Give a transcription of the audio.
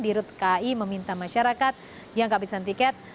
di rut kai meminta masyarakat yang kehabisan tiket